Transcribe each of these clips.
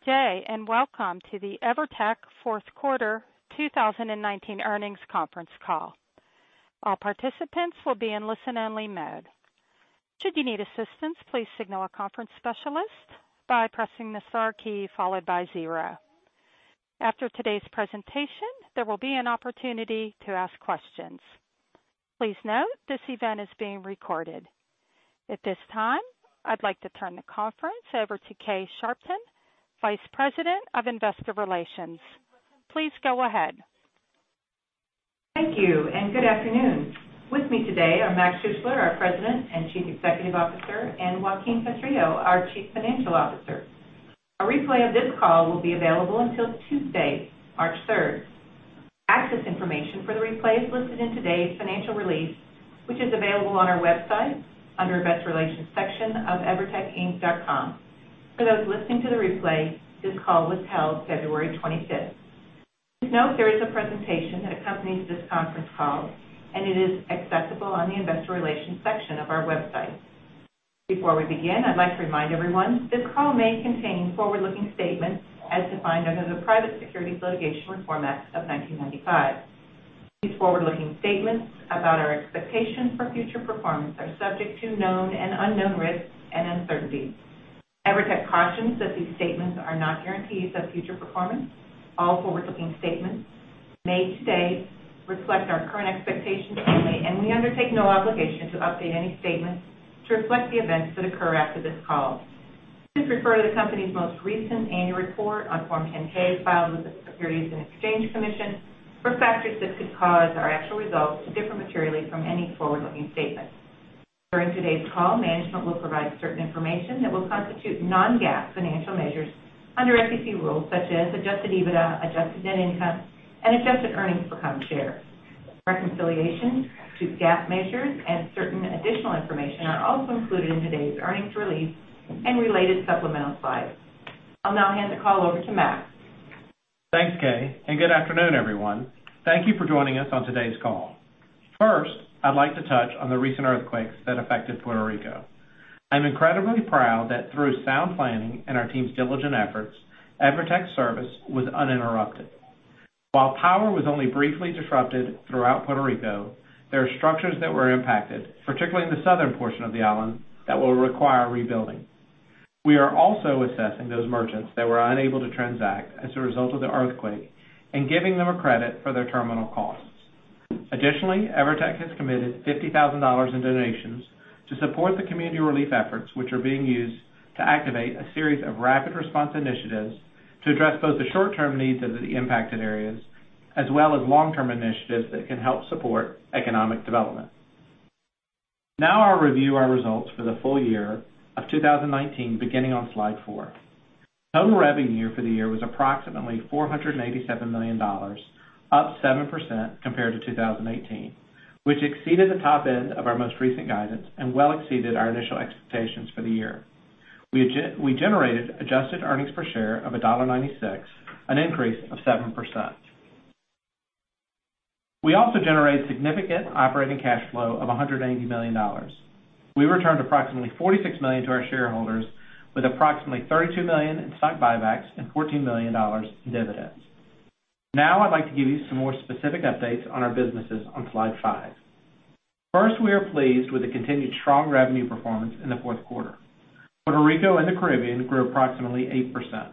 Good day, and welcome to the EVERTEC Fourth Quarter 2019 Earnings Conference Call. All participants will be in listen-only mode. Should you need assistance, please signal a conference specialist by pressing the star key followed by zero. After today's presentation, there will be an opportunity to ask questions. Please note this event is being recorded. At this time, I'd like to turn the conference over to Kay Sharpton, Vice President of Investor Relations. Please go ahead. Thank you. Good afternoon. With me today are Mac Schuessler, our President and Chief Executive Officer, and Joaquín Castrillo, our Chief Financial Officer. A replay of this call will be available until Tuesday, March 3rd. Access information for the replay is listed in today's financial release, which is available on our website under Investor Relations section of evertecinc.com. For those listening to the replay, this call was held February 25th. Please note there is a presentation that accompanies this conference call, and it is accessible on the Investor Relations section of our website. Before we begin, I'd like to remind everyone this call may contain forward-looking statements as defined under the Private Securities Litigation Reform Act of 1995. These forward-looking statements about our expectations for future performance are subject to known and unknown risks and uncertainties. EVERTEC cautions that these statements are not guarantees of future performance. All forward-looking statements made today reflect our current expectations only, and we undertake no obligation to update any statements to reflect the events that occur after this call. Please refer to the company's most recent annual report on Form 10-K filed with the Securities and Exchange Commission for factors that could cause our actual results to differ materially from any forward-looking statements. During today's call, management will provide certain information that will constitute non-GAAP financial measures under SEC rules such as adjusted EBITDA, adjusted net income, and adjusted earnings per common share. Reconciliations to GAAP measures and certain additional information are also included in today's earnings release and related supplemental slides. I'll now hand the call over to Mac. Thanks, Kay. Good afternoon, everyone. Thank you for joining us on today's call. First, I'd like to touch on the recent earthquakes that affected Puerto Rico. I'm incredibly proud that through sound planning and our team's diligent efforts, EVERTEC's service was uninterrupted. While power was only briefly disrupted throughout Puerto Rico, there are structures that were impacted, particularly in the southern portion of the island, that will require rebuilding. We are also assessing those merchants that were unable to transact as a result of the earthquake and giving them a credit for their terminal costs. Additionally, EVERTEC has committed $50,000 in donations to support the community relief efforts, which are being used to activate a series of rapid response initiatives to address both the short-term needs of the impacted areas as well as long-term initiatives that can help support economic development. I'll review our results for the full year of 2019, beginning on slide four. Total revenue for the year was approximately $487 million, up 7% compared to 2018, which exceeded the top end of our most recent guidance and well exceeded our initial expectations for the year. We generated adjusted earnings per share of $1.96, an increase of 7%. We also generated significant operating cash flow of $180 million. We returned approximately $46 million to our shareholders with approximately $32 million in stock buybacks and $14 million in dividends. I'd like to give you some more specific updates on our businesses on slide five. First, we are pleased with the continued strong revenue performance in the fourth quarter. Puerto Rico and the Caribbean grew approximately 8%.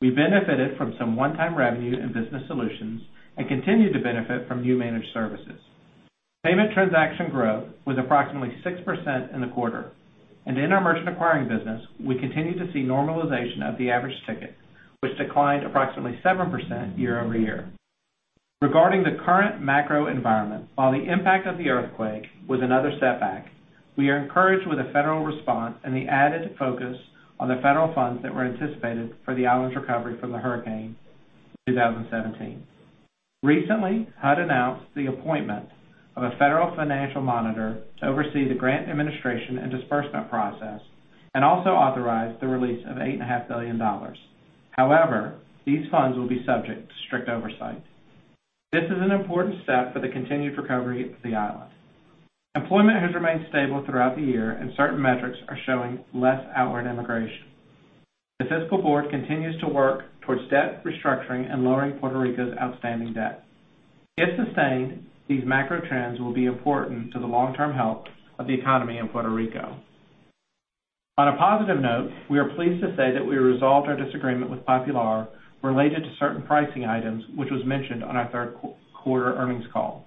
We benefited from some one-time revenue in Business Solutions and continued to benefit from new managed services. Payment transaction growth was approximately 6% in the quarter. In our Merchant Acquiring business, we continue to see normalization of the average ticket, which declined approximately 7% year-over-year. Regarding the current macro environment, while the impact of the earthquake was another setback, we are encouraged with the federal response and the added focus on the federal funds that were anticipated for the island's recovery from the hurricane in 2017. Recently, HUD announced the appointment of a federal financial monitor to oversee the grant administration and disbursement process and also authorized the release of eight and a half billion dollars. However, these funds will be subject to strict oversight. This is an important step for the continued recovery of the island. Employment has remained stable throughout the year, and certain metrics are showing less outward immigration. The fiscal board continues to work towards debt restructuring and lowering Puerto Rico's outstanding debt. If sustained, these macro trends will be important to the long-term health of the economy in Puerto Rico. On a positive note, we are pleased to say that we resolved our disagreement with Popular related to certain pricing items, which was mentioned on our third quarter earnings call.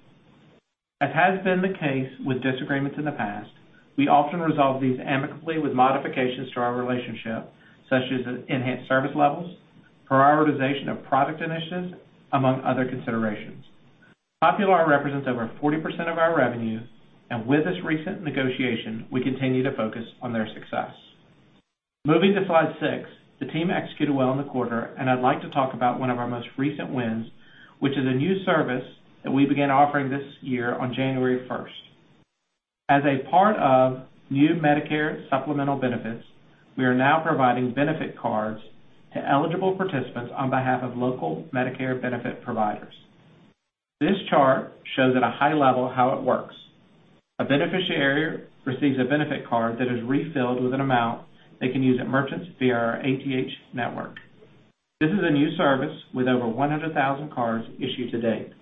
As has been the case with disagreements in the past, we often resolve these amicably with modifications to our relationship, such as enhanced service levels, prioritization of product initiatives, among other considerations. Popular represents over 40% of our revenue, and with this recent negotiation, we continue to focus on their success. Moving to slide six, the team executed well in the quarter, and I'd like to talk about one of our most recent wins, which is a new service that we began offering this year on January 1st. As a part of new Medicare supplemental benefits, we are now providing benefit cards to eligible participants on behalf of local Medicare benefit providers. This chart shows at a high level how it works. A beneficiary receives a benefit card that is refilled with an amount they can use at merchants via our ATH network. This is a new service with over 100,000 cards issued to date.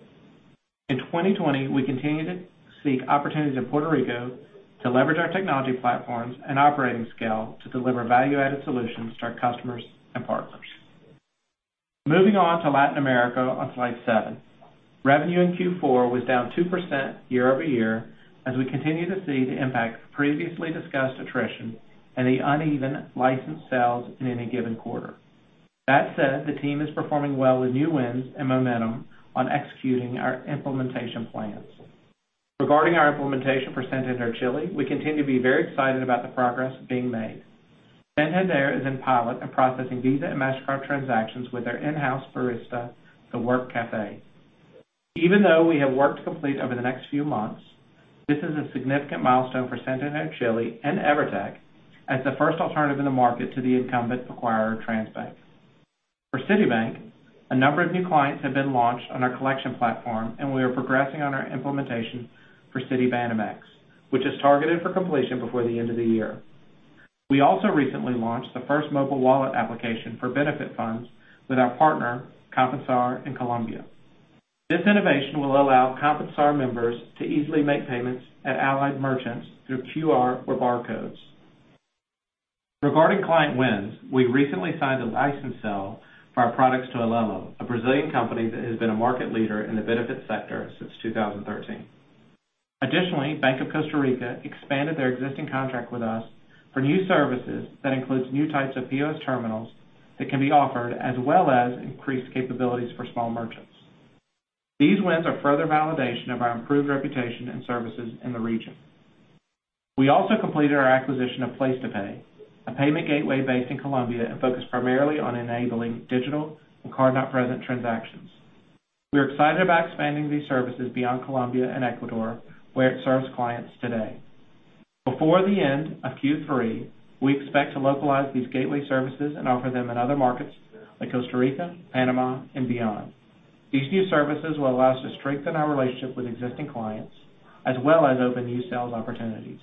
In 2020, we continue to seek opportunities in Puerto Rico to leverage our technology platforms and operating scale to deliver value-added solutions to our customers and partners. Moving on to Latin America on slide seven. Revenue in Q4 was down 2% year-over-year as we continue to see the impact of previously discussed attrition and the uneven license sales in any given quarter. That said, the team is performing well with new wins and momentum on executing our implementation plans. Regarding our implementation for Santander Chile, we continue to be very excited about the progress being made. Santander is in pilot and processing Visa and Mastercard transactions with their in-house barista, The Work Café. Even though we have work to complete over the next few months, this is a significant milestone for Santander Chile and EVERTEC as the first alternative in the market to the incumbent acquirer, Transbank. For Citibank, a number of new clients have been launched on our collection platform, and we are progressing on our implementation for Citibanamex, which is targeted for completion before the end of the year. We also recently launched the first mobile wallet application for benefit funds with our partner, Compensar in Colombia. This innovation will allow Compensar members to easily make payments at allied merchants through QR or barcodes. Regarding client wins, we recently signed a license sale for our products to Alelo, a Brazilian company that has been a market leader in the benefits sector since 2013. Additionally, Bank of Costa Rica expanded their existing contract with us for new services that includes new types of POS terminals that can be offered, as well as increased capabilities for small merchants. These wins are further validation of our improved reputation and services in the region. We also completed our acquisition of PlacetoPay, a payment gateway based in Colombia and focused primarily on enabling digital and card-not-present transactions. We are excited about expanding these services beyond Colombia and Ecuador, where it serves clients today. Before the end of Q3, we expect to localize these gateway services and offer them in other markets like Costa Rica, Panama and beyond. These new services will allow us to strengthen our relationship with existing clients, as well as open new sales opportunities.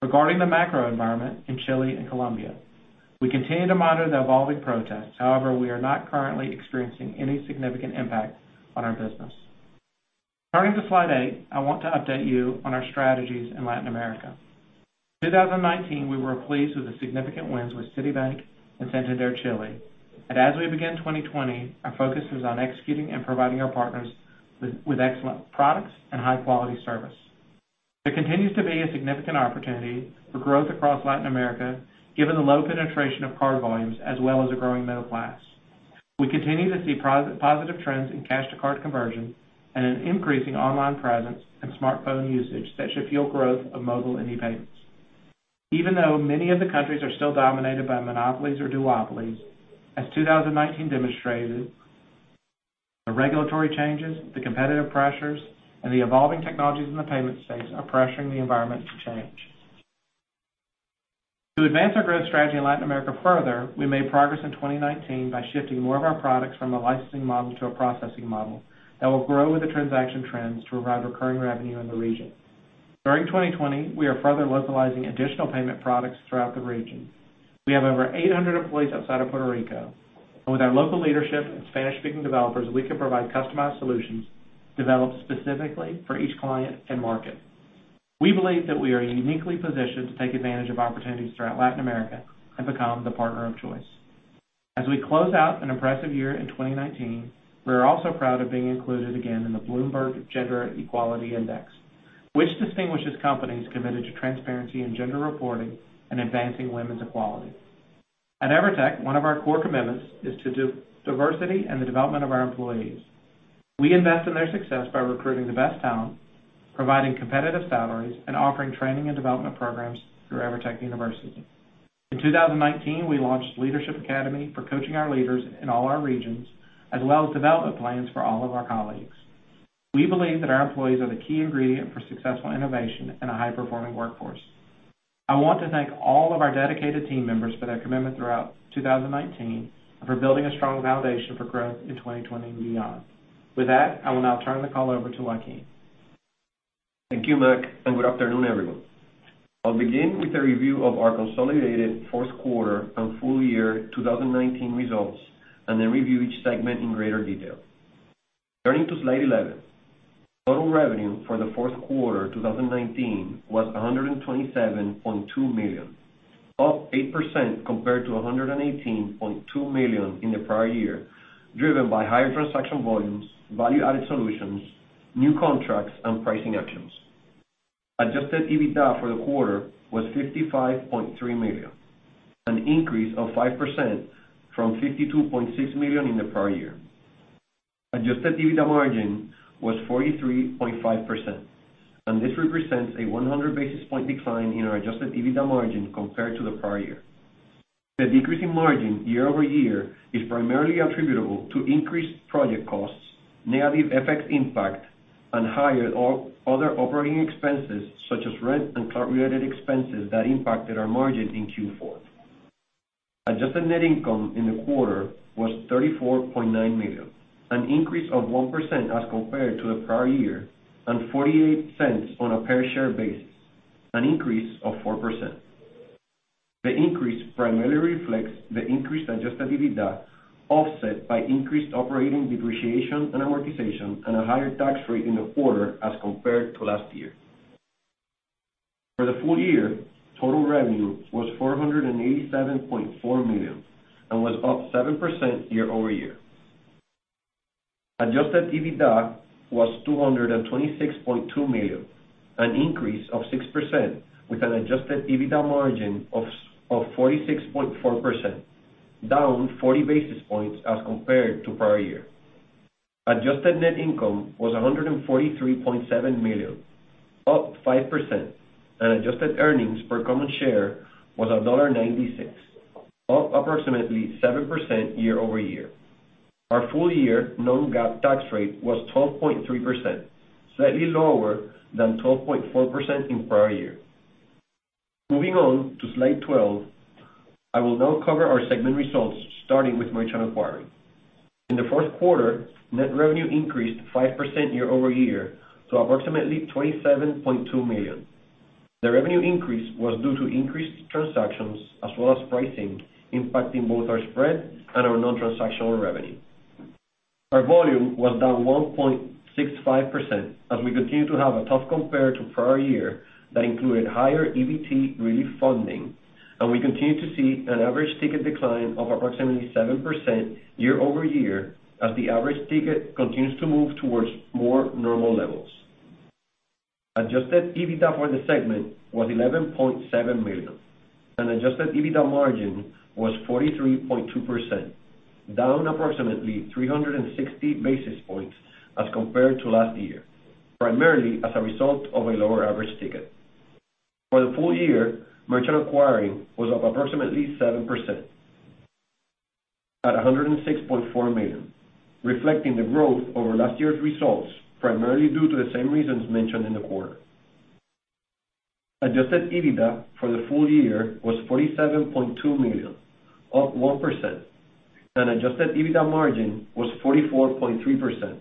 Regarding the macro environment in Chile and Colombia, we continue to monitor the evolving protests. We are not currently experiencing any significant impact on our business. Turning to slide eight, I want to update you on our strategies in Latin America. 2019, we were pleased with the significant wins with Citibank and Santander Chile. As we begin 2020, our focus is on executing and providing our partners with excellent products and high-quality service. There continues to be a significant opportunity for growth across Latin America, given the low penetration of card volumes as well as a growing middle class. We continue to see positive trends in cash to card conversion and an increasing online presence and smartphone usage that should fuel growth of mobile and e-payments. Even though many of the countries are still dominated by monopolies or duopolies, as 2019 demonstrated, the regulatory changes, the competitive pressures, and the evolving technologies in the payment space are pressuring the environment to change. To advance our growth strategy in Latin America further, we made progress in 2019 by shifting more of our products from a licensing model to a processing model that will grow with the transaction trends to provide recurring revenue in the region. During 2020, we are further localizing additional payment products throughout the region. We have over 800 employees outside of Puerto Rico, and with our local leadership and Spanish-speaking developers, we can provide customized solutions developed specifically for each client and market. We believe that we are uniquely positioned to take advantage of opportunities throughout Latin America and become the partner of choice. As we close out an impressive year in 2019, we are also proud of being included again in the Bloomberg Gender-Equality Index, which distinguishes companies committed to transparency in gender reporting and advancing women's equality. At EVERTEC, one of our core commitments is to diversity and the development of our employees. We invest in their success by recruiting the best talent, providing competitive salaries, and offering training and development programs through Evertec University. In 2019, we launched Leadership Academy for coaching our leaders in all our regions, as well as development plans for all of our colleagues. We believe that our employees are the key ingredient for successful innovation and a high-performing workforce. I want to thank all of our dedicated team members for their commitment throughout 2019 and for building a strong foundation for growth in 2020 and beyond. With that, I will now turn the call over to Joaquín. Thank you, Mac, and good afternoon, everyone. I'll begin with a review of our consolidated fourth quarter and full year 2019 results and then review each segment in greater detail. Turning to slide 11. Total revenue for the fourth quarter 2019 was $127.2 million, up 8% compared to $118.2 million in the prior year, driven by higher transaction volumes, value-added solutions, new contracts, and pricing actions. Adjusted EBITDA for the quarter was $55.3 million, an increase of 5% from $52.6 million in the prior year. Adjusted EBITDA margin was 43.5%, and this represents a 100-basis-point decline in our adjusted EBITDA margin compared to the prior year. The decrease in margin year-over-year is primarily attributable to increased project costs, negative FX impact, and higher other operating expenses such as rent and cloud-related expenses that impacted our margin in Q4. Adjusted net income in the quarter was $34.9 million, an increase of 1% as compared to the prior year, and $0.48 on a per-share basis, an increase of 4%. The increase primarily reflects the increased adjusted EBITDA, offset by increased operating depreciation and amortization, and a higher tax rate in the quarter as compared to last year. For the full year, total revenue was $487.4 million and was up 7% year-over-year. Adjusted EBITDA was $226.2 million, an increase of 6%, with an Adjusted EBITDA margin of 46.4%, down 40 basis points as compared to prior year. Adjusted net income was $143.7 million, up 5%, and adjusted earnings per common share was $1.96, up approximately 7% year-over-year. Our full-year non-GAAP tax rate was 12.3%, slightly lower than 12.4% in prior year. Moving on to slide 12, I will now cover our segment results, starting with Merchant Acquiring. In the fourth quarter, net revenue increased 5% year-over-year to approximately $27.2 million. The revenue increase was due to increased transactions as well as pricing impacting both our spread and our non-transactional revenue. Our volume was down 1.65% as we continue to have a tough compare to prior year that included higher EBT relief funding, and we continue to see an average ticket decline of approximately 7% year-over-year as the average ticket continues to move towards more normal levels. Adjusted EBITDA for the segment was $11.7 million, and Adjusted EBITDA margin was 43.2%, down approximately 360 basis points as compared to last year, primarily as a result of a lower average ticket. For the full year, Merchant Acquiring was up approximately 7% at $106.4 million, reflecting the growth over last year's results primarily due to the same reasons mentioned in the quarter. Adjusted EBITDA for the full year was $47.2 million, up 1%, and adjusted EBITDA margin was 44.3%,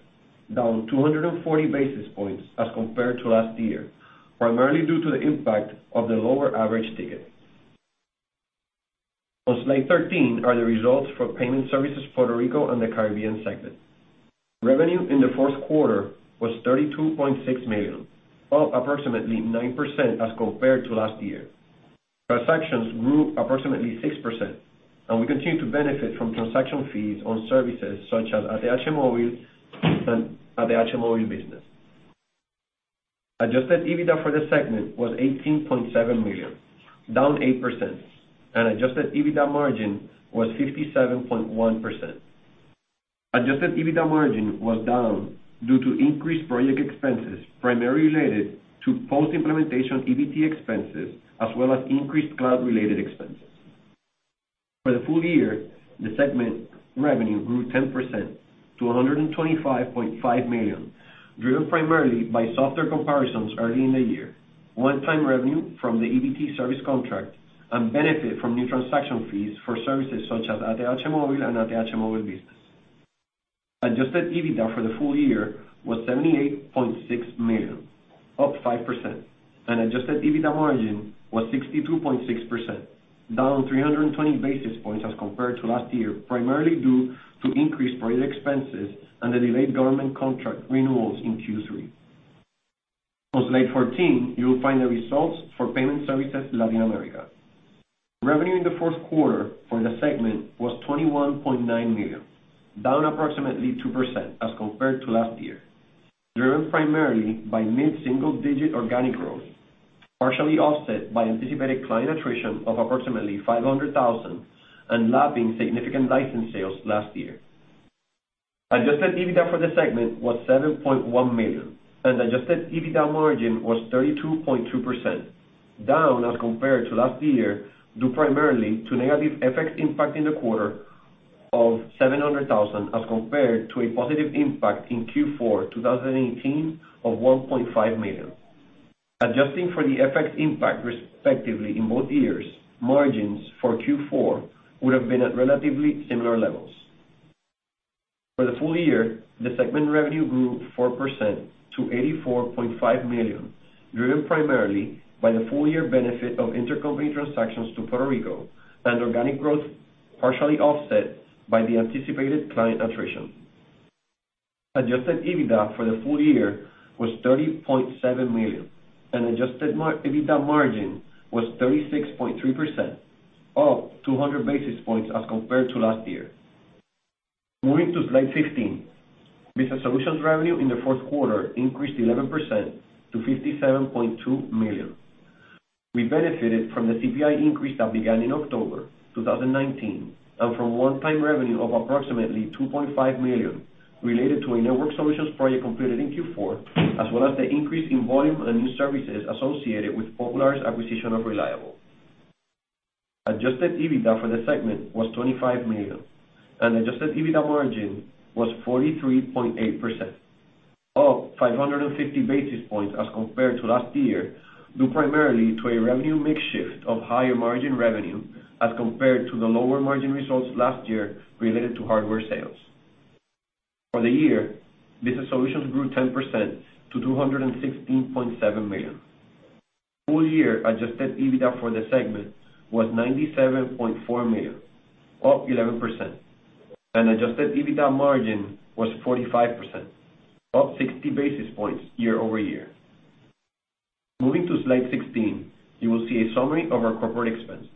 down 240 basis points as compared to last year, primarily due to the impact of the lower average ticket. On slide 13 are the results for Payment Services – Puerto Rico & Caribbean segment. Revenue in the fourth quarter was $32.6 million, up approximately 9% as compared to last year. Transactions grew approximately 6%. We continue to benefit from transaction fees on services such as ATH Móvil and ATH Móvil Business. Adjusted EBITDA for the segment was $18.7 million, down 8%. Adjusted EBITDA margin was 57.1%. Adjusted EBITDA margin was down due to increased project expenses, primarily related to post-implementation EBT expenses, as well as increased cloud-related expenses. For the full year, the segment revenue grew 10% to $125.5 million, driven primarily by softer comparisons early in the year, one-time revenue from the EBT service contract, and benefit from new transaction fees for services such as ATH Móvil and ATH Móvil Business. Adjusted EBITDA for the full year was $78.6 million, up 5%. Adjusted EBITDA margin was 62.6%, down 320 basis points as compared to last year, primarily due to increased project expenses and the delayed government contract renewals in Q3. On slide 14, you will find the results for Payment Services Latin America. Revenue in the fourth quarter for the segment was $21.9 million, down approximately 2% as compared to last year, driven primarily by mid-single-digit organic growth, partially offset by anticipated client attrition of approximately 500,000 and lapping significant license sales last year. Adjusted EBITDA for the segment was $7.1 million, and the adjusted EBITDA margin was 32.2%, down as compared to last year, due primarily to negative FX impact in the quarter of $700,000 as compared to a positive impact in Q4 2018 of $1.5 million. Adjusting for the FX impact respectively in both years, margins for Q4 would have been at relatively similar levels. For the full year, the segment revenue grew 4% to $84.5 million, driven primarily by the full-year benefit of intercompany transactions to Puerto Rico and organic growth partially offset by the anticipated client attrition. Adjusted EBITDA for the full year was $30.7 million, and adjusted EBITDA margin was 36.3%, up 200 basis points as compared to last year. Moving to slide 15. Business Solutions revenue in the fourth quarter increased 11% to $57.2 million. We benefited from the CPI increase that began in October 2019 and from one-time revenue of approximately $2.5 million related to a network solutions project completed in Q4, as well as the increase in volume and new services associated with Popular's acquisition of Reliable. Adjusted EBITDA for the segment was $25 million, and Adjusted EBITDA margin was 43.8%. Up 550 basis points as compared to last year, due primarily to a revenue mix shift of higher margin revenue as compared to the lower margin results last year related to hardware sales. For the year, Business Solutions grew 10% to $216.7 million. Full year adjusted EBITDA for the segment was $97.4 million, up 11%, and adjusted EBITDA margin was 45%, up 60 basis points year-over-year. Moving to slide 16, you will see a summary of our corporate expenses.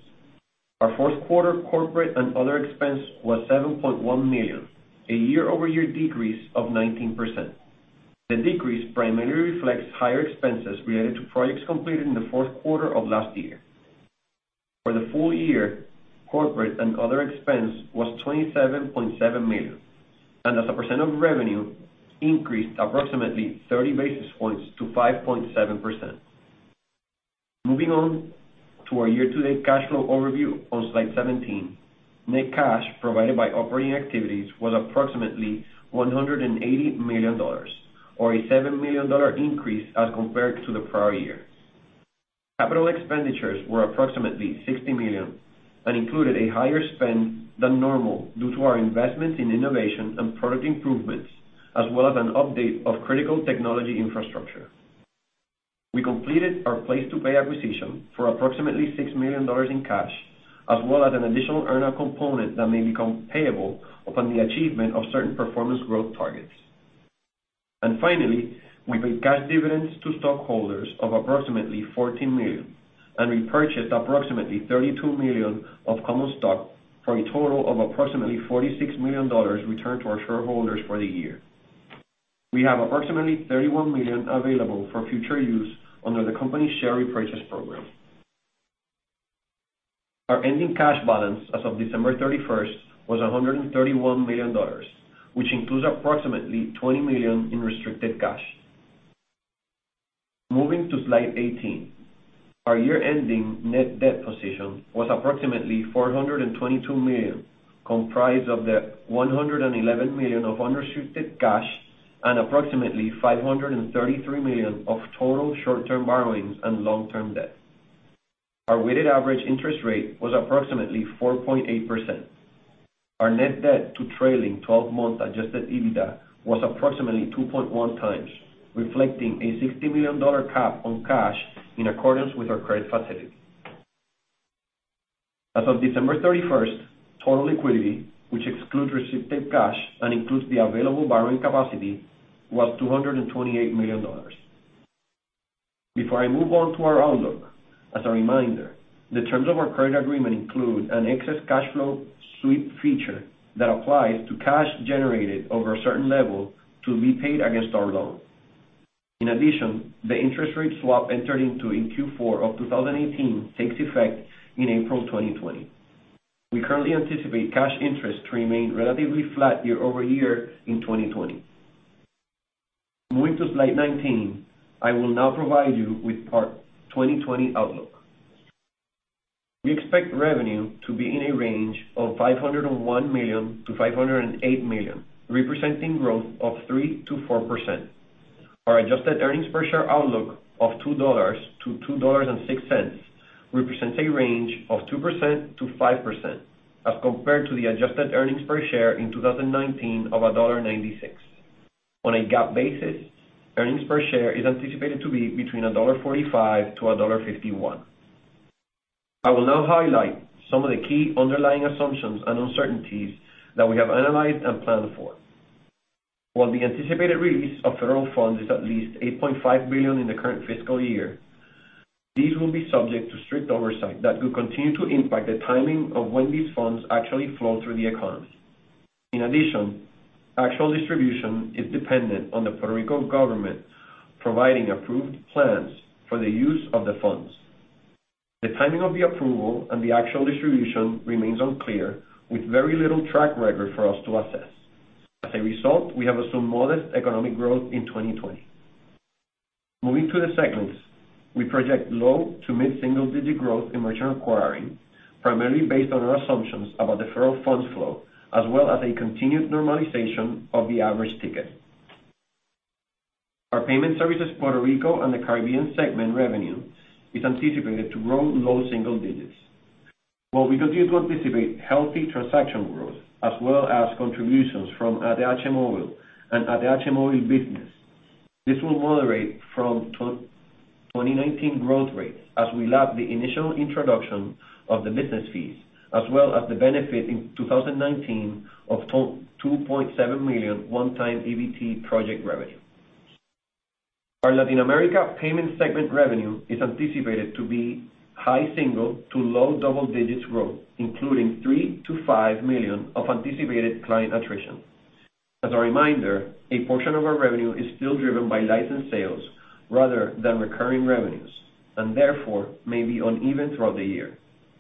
Our fourth quarter corporate and other expense was $7.1 million, a year-over-year decrease of 19%. The decrease primarily reflects higher expenses related to projects completed in the fourth quarter of last year. For the full year, corporate and other expense was $27.7 million, and as a percent of revenue, increased approximately 30 basis points to 5.7%. Moving on to our year-to-date cash flow overview on slide 17. Net cash provided by operating activities was approximately $180 million, or a $7 million increase as compared to the prior year. Capital expenditures were approximately $60 million and included a higher spend than normal due to our investments in innovation and product improvements, as well as an update of critical technology infrastructure. We completed our PlacetoPay acquisition for approximately $6 million in cash, as well as an additional earnout component that may become payable upon the achievement of certain performance growth targets. Finally, we paid cash dividends to stockholders of approximately $14 million and repurchased approximately $32 million of common stock, for a total of approximately $46 million returned to our shareholders for the year. We have approximately $31 million available for future use under the company's share repurchase program. Our ending cash balance as of December 31st was $131 million, which includes approximately $20 million in restricted cash. Moving to slide 18. Our year-ending net debt position was approximately $422 million, comprised of the $111 million of unrestricted cash and approximately $533 million of total short-term borrowings and long-term debt. Our weighted average interest rate was approximately 4.8%. Our net debt to trailing 12-month adjusted EBITDA was approximately 2.1 times, reflecting a $60 million cap on cash in accordance with our credit facility. As of December 31st, total liquidity, which excludes restricted cash and includes the available borrowing capacity, was $228 million. Before I move on to our outlook, as a reminder, the terms of our credit agreement include an excess cash flow sweep feature that applies to cash generated over a certain level to be paid against our loan. In addition, the interest rate swap entered into in Q4 of 2018 takes effect in April 2020. We currently anticipate cash interest to remain relatively flat year-over-year in 2020. Moving to slide 19. I will now provide you with our 2020 outlook. We expect revenue to be in a range of $501 million-$508 million, representing growth of 3%-4%. Our adjusted earnings per share outlook of $2-$2.06 represents a range of 2%-5%, as compared to the adjusted earnings per share in 2019 of $1.96. On a GAAP basis, earnings per share is anticipated to be between $1.45-$1.51. I will now highlight some of the key underlying assumptions and uncertainties that we have analyzed and planned for. While the anticipated release of federal funds is at least $8.5 billion in the current fiscal year, these will be subject to strict oversight that could continue to impact the timing of when these funds actually flow through the economy. In addition, actual distribution is dependent on the Puerto Rico government providing approved plans for the use of the funds. The timing of the approval and the actual distribution remains unclear, with very little track record for us to assess. As a result, we have assumed modest economic growth in 2020. Moving to the segments, we project low to mid-single digit growth in Merchant Acquiring, primarily based on our assumptions about the federal funds flow, as well as a continued normalization of the average ticket. Our Payment Services Puerto Rico and the Caribbean segment revenue is anticipated to grow low single digits. While we continue to anticipate healthy transaction growth as well as contributions from ATH Móvil and ATH Móvil Business, this will moderate from 2019 growth rates as we lap the initial introduction of the business fees as well as the benefit in 2019 of $2.7 million one-time EBT project revenue. Our Latin America Payment Segment revenue is anticipated to be high single to low double digits growth, including $3 million-$5 million of anticipated client attrition. As a reminder, a portion of our revenue is still driven by license sales rather than recurring revenues, and therefore may be uneven throughout the year.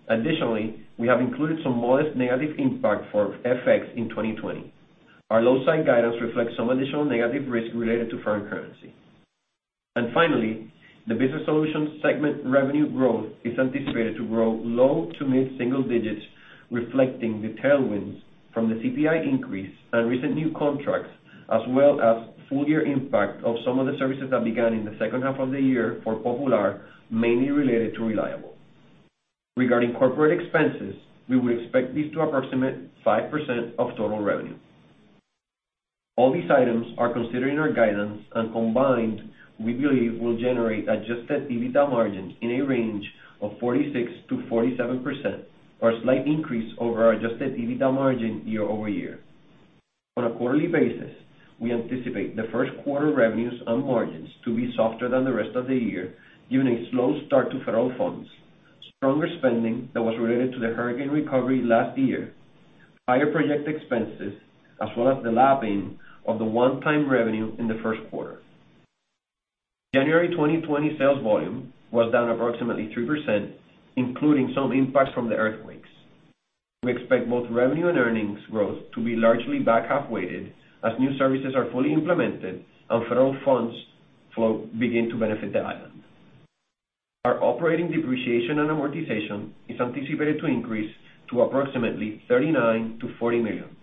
Additionally, we have included some modest negative impact for FX in 2020. Our low side guidance reflects some additional negative risk related to foreign currency. Finally, the Business Solutions segment revenue growth is anticipated to grow low to mid single digits, reflecting the tailwinds from the CPI increase and recent new contracts, as well as full year impact of some of the services that began in the second half of the year for Popular, mainly related to Reliable. Regarding corporate expenses, we would expect this to approximate 5% of total revenue. All these items are considered in our guidance, and combined, we believe will generate adjusted EBITDA margin in a range of 46%-47%, or a slight increase over our adjusted EBITDA margin year-over-year. On a quarterly basis, we anticipate the first quarter revenues and margins to be softer than the rest of the year, given a slow start to federal funds, stronger spending that was related to the hurricane recovery last year, higher project expenses, as well as the lapping of the one-time revenue in the first quarter. January 2020 sales volume was down approximately 3%, including some impacts from the earthquakes. We expect both revenue and earnings growth to be largely back half weighted as new services are fully implemented and federal funds flow begin to benefit the island. Our operating Depreciation and Amortization is anticipated to increase to approximately $39 million-$40 million,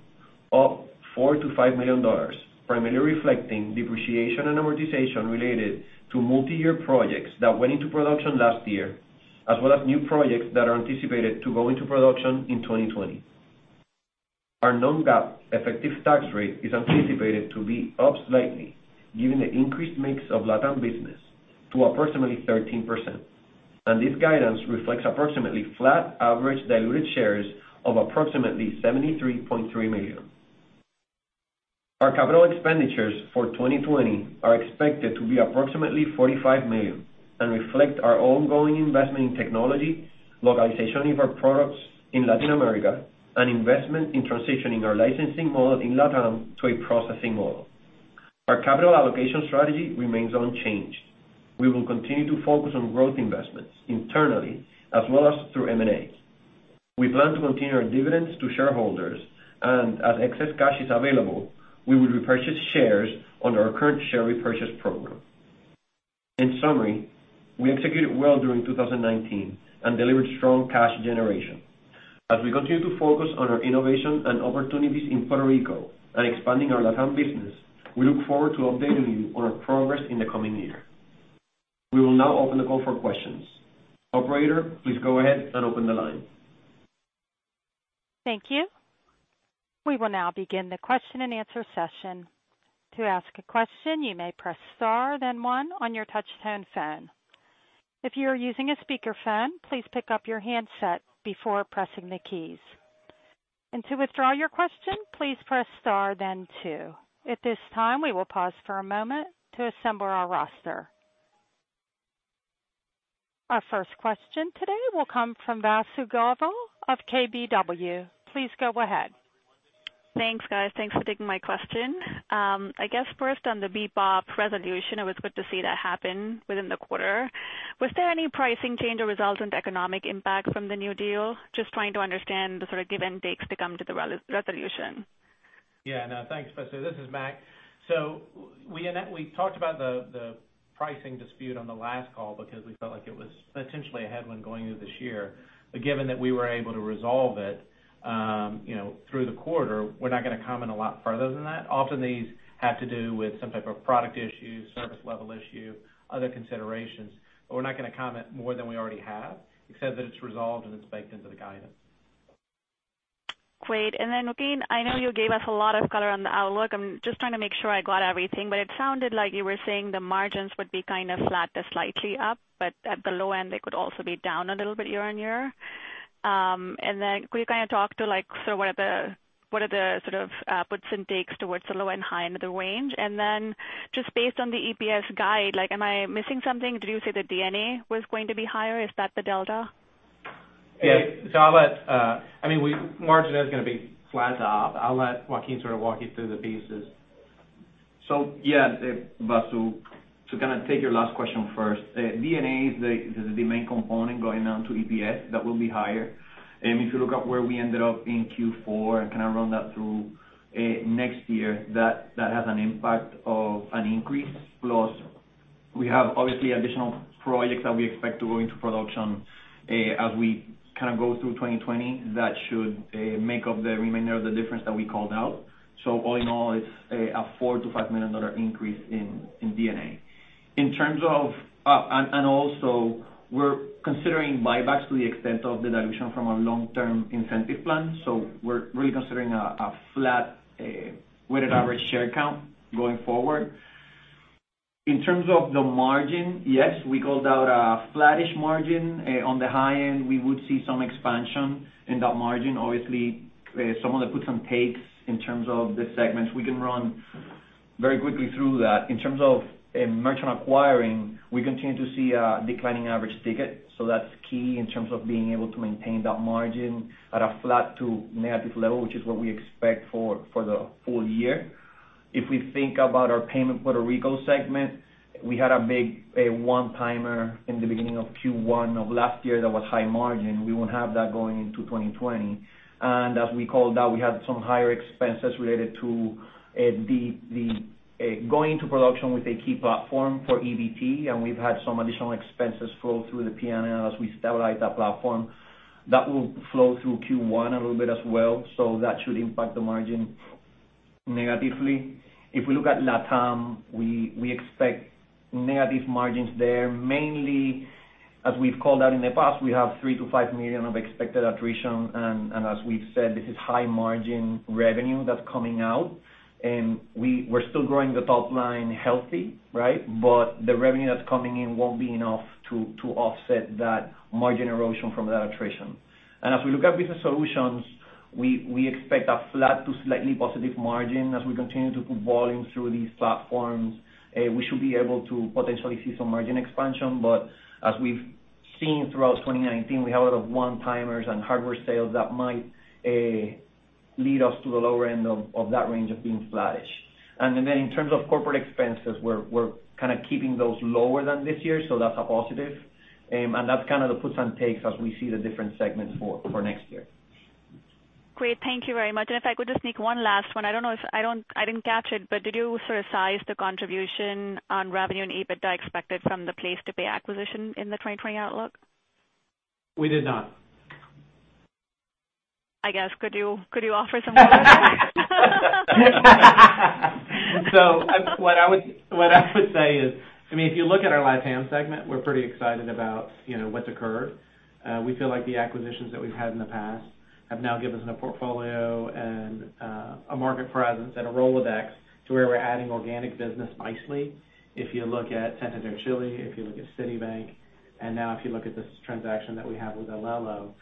up $4 million-$5 million, primarily reflecting Depreciation and Amortization related to multi-year projects that went into production last year, as well as new projects that are anticipated to go into production in 2020. Our non-GAAP effective tax rate is anticipated to be up slightly, given the increased mix of LatAm business to approximately 13%. This guidance reflects approximately flat average diluted shares of approximately 73.3 million. Our Capital Expenditures for 2020 are expected to be approximately $45 million and reflect our ongoing investment in technology, localization of our products in Latin America, and investment in transitioning our licensing model in LatAm to a processing model. Our capital allocation strategy remains unchanged. We will continue to focus on growth investments internally as well as through M&A. We plan to continue our dividends to shareholders, and as excess cash is available, we will repurchase shares on our current share repurchase program. In summary, we executed well during 2019 and delivered strong cash generation. As we continue to focus on our innovation and opportunities in Puerto Rico and expanding our LatAm business, we look forward to updating you on our progress in the coming year. We will now open the call for questions. Operator, please go ahead and open the line. Thank you. We will now begin the question and answer session. To ask a question, you may press star then one on your touchtone phone. If you are using a speakerphone, please pick up your handset before pressing the keys. To withdraw your question, please press star then two. At this time, we will pause for a moment to assemble our roster. Our first question today will come from Vasu Govil of KBW. Please go ahead. Thanks, guys. Thanks for taking my question. I guess first on the BPOP resolution, it was good to see that happen within the quarter. Was there any pricing change or resultant economic impact from the new deal? Just trying to understand the sort of give and takes to come to the resolution. Yeah. No, thanks, Vasu. This is Mac. We talked about the pricing dispute on the last call because we felt like it was potentially a headwind going into this year. Given that we were able to resolve it through the quarter, we're not going to comment a lot further than that. Often these have to do with some type of product issue, service level issue, other considerations. We're not going to comment more than we already have, except that it's resolved and it's baked into the guidance. Great. Joaquín, I know you gave us a lot of color on the outlook. I'm just trying to make sure I got everything, but it sounded like you were saying the margins would be kind of flat to slightly up, but at the low end, they could also be down a little bit year-over-year. Could you kind of talk to what are the sort of puts and takes towards the low and high end of the range? Just based on the EPS guide, am I missing something? Did you say the D&A was going to be higher? Is that the delta? Yeah. I mean, margin is going to be flat to up. I'll let Joaquín sort of walk you through the pieces. Yeah, Vasu, to kind of take your last question first. D&A is the main component going down to EPS that will be higher. If you look at where we ended up in Q4 and kind of run that through next year, that has an impact of an increase. Plus, we have obviously additional projects that we expect to go into production as we kind of go through 2020 that should make up the remainder of the difference that we called out. All in all, it's a $4 million-$5 million increase in D&A. We're considering buybacks to the extent of the dilution from our long-term incentive plan. We're really considering a flat weighted average share count going forward. In terms of the margin, yes, we called out a flattish margin. On the high end, we would see some expansion in that margin. Some of the puts and takes in terms of the segments, we can run very quickly through that. In terms of Merchant Acquiring, we continue to see a declining average ticket. That's key in terms of being able to maintain that margin at a flat to negative level, which is what we expect for the full year. If we think about our Payment Puerto Rico segment, we had a big one-timer in the beginning of Q1 of last year that was high margin. We won't have that going into 2020. As we called out, we had some higher expenses related to DEP Going into production with a key platform for EBT, and we've had some additional expenses flow through the P&L as we stabilize that platform. That will flow through Q1 a little bit as well, so that should impact the margin negatively. If we look at LatAm, we expect negative margins there. Mainly, as we've called out in the past, we have $3 million-$5 million of expected attrition. As we've said, this is high margin revenue that's coming out. We're still growing the top line healthy. But the revenue that's coming in won't be enough to offset that margin erosion from that attrition. As we look at Business Solutions, we expect a flat to slightly positive margin. As we continue to put volume through these platforms, we should be able to potentially see some margin expansion. As we've seen throughout 2019, we have a lot of one-timers and hardware sales that might lead us to the lower end of that range of being flattish. In terms of corporate expenses, we're keeping those lower than this year, so that's a positive. That's the puts and takes as we see the different segments for next year. Great. Thank you very much. If I could just sneak one last one. I didn't catch it, but did you size the contribution on revenue and EBITDA expected from the PlacetoPay acquisition in the 2020 outlook? We did not. I guess, could you offer some color? What I would say is, if you look at our LatAm segment, we're pretty excited about what's occurred. We feel like the acquisitions that we've had in the past have now given us a portfolio and a market presence and a Rolodex to where we're adding organic business nicely. If you look at Santander Chile, if you look at Citibank, and now if you look at this transaction that we have with Alelo.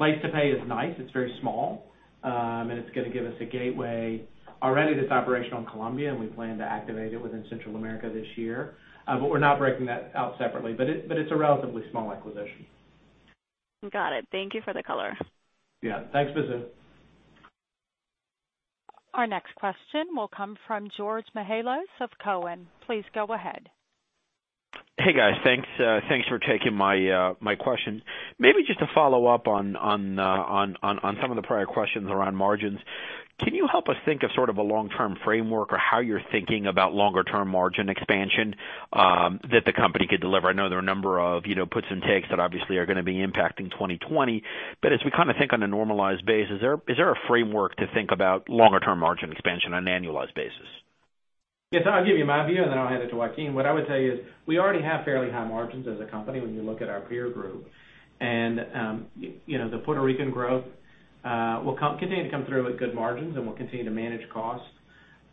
PlacetoPay is nice. It's very small. It's going to give us a gateway. Already it is operational in Colombia, and we plan to activate it within Central America this year. We're not breaking that out separately. It's a relatively small acquisition. Got it. Thank you for the color. Yeah. Thanks, Vasu. Our next question will come from George Mihalos of Cowen. Please go ahead. Hey, guys. Thanks for taking my question. Maybe just to follow up on some of the prior questions around margins. Can you help us think of a long-term framework or how you're thinking about longer-term margin expansion that the company could deliver? I know there are a number of puts and takes that obviously are going to be impacting 2020. As we think on a normalized basis, is there a framework to think about longer-term margin expansion on an annualized basis? Yes. I'll give you my view, and then I'll hand it to Joaquín. What I would tell you is we already have fairly high margins as a company when you look at our peer group. The Puerto Rican growth will continue to come through with good margins, and we'll continue to manage costs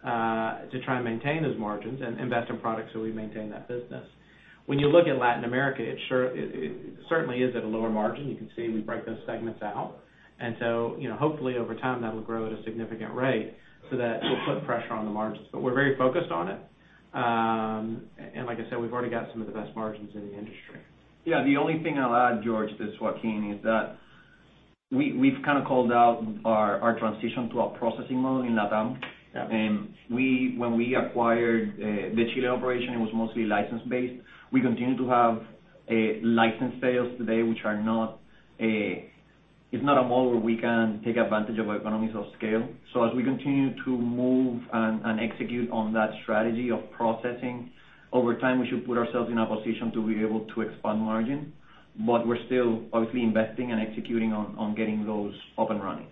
to try and maintain those margins and invest in products so we maintain that business. When you look at Latin America, it certainly is at a lower margin. You can see we break those segments out. Hopefully over time, that'll grow at a significant rate so that it will put pressure on the margins. We're very focused on it. Like I said, we've already got some of the best margins in the industry. Yeah. The only thing I'll add, George, this is Joaquín, is that we've called out our transition to a processing model in LatAm. When we acquired the Chile operation, it was mostly license-based. We continue to have license sales today. It's not a model where we can take advantage of economies of scale. As we continue to move and execute on that strategy of processing, over time, we should put ourselves in a position to be able to expand margin. We're still obviously investing and executing on getting those up and running.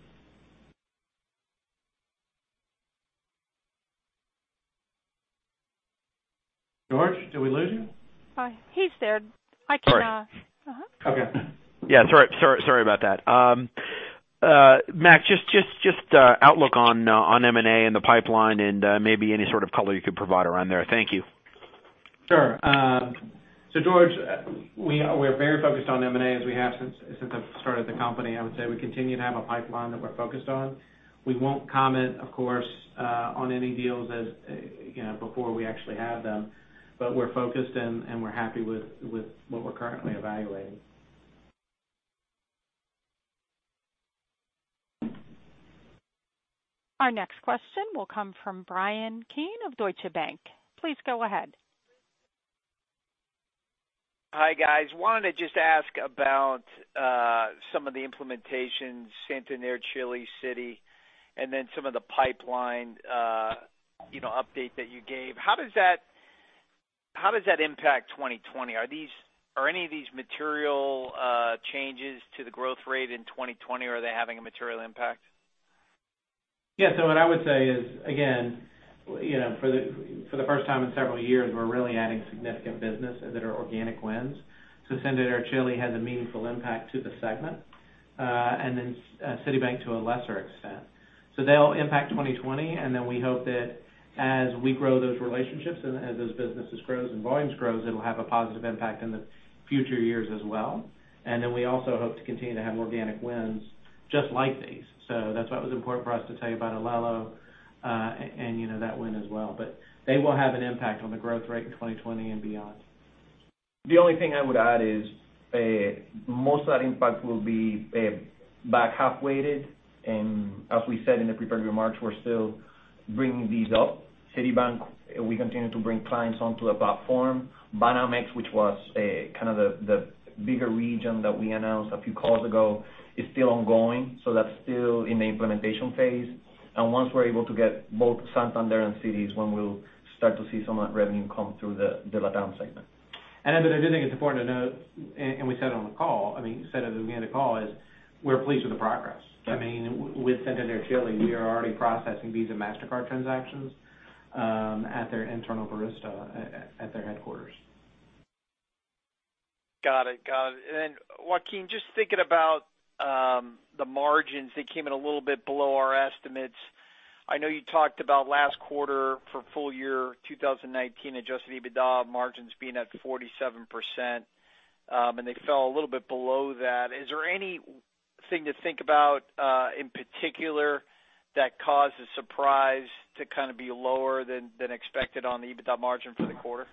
George, did we lose you? He's there. Sorry. Okay. Yeah, sorry about that. Mac, just outlook on M&A and the pipeline and maybe any sort of color you could provide around there. Thank you. Sure. George, we're very focused on M&A as we have since the start of the company. I would say we continue to have a pipeline that we're focused on. We won't comment, of course, on any deals before we actually have them. We're focused and we're happy with what we're currently evaluating. Our next question will come from Bryan Keane of Deutsche Bank. Please go ahead. Hi, guys. Wanted to just ask about some of the implementations, Santander Chile, Citi, and then some of the pipeline update that you gave. How does that impact 2020? Are any of these material changes to the growth rate in 2020, or are they having a material impact? What I would say is, again, for the first time in several years, we're really adding significant business that are organic wins. Santander Chile has a meaningful impact to the segment, and then Citibank to a lesser extent. They'll impact 2020, and then we hope that as we grow those relationships and as those businesses grows and volumes grows, it'll have a positive impact in the future years as well. We also hope to continue to have organic wins just like these. That's why it was important for us to tell you about Alelo and that win as well. They will have an impact on the growth rate in 2020 and beyond. The only thing I would add is most of that impact will be back half weighted. As we said in the prepared remarks, we're still bringing these up. Citibank, we continue to bring clients onto the platform. Banamex, which was the bigger region that we announced a few calls ago, is still ongoing, so that's still in the implementation phase. Once we're able to get both Santander and Citi is when we'll start to see some of that revenue come through the LatAm segment. I do think it's important to note, and we said on the call, I mean, said it at the beginning of the call is we're pleased with the progress. I mean, with Santander Chile, we are already processing Visa-Mastercard transactions at their internal barista at their headquarters. Got it. Joaquín, just thinking about the margins, they came in a little bit below our estimates. I know you talked about last quarter for full year 2019 adjusted EBITDA margins being at 47%, and they fell a little bit below that. Is there anything to think about, in particular, that caused a surprise to kind of be lower than expected on the EBITDA margin for the quarter?